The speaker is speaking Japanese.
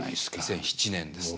２００７年ですね。